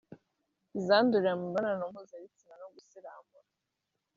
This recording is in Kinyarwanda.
izandurira mu mibonano mpuzabitsina no gusiramura